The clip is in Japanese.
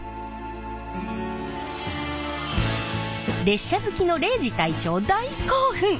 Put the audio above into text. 列車好きの礼二隊長大興奮。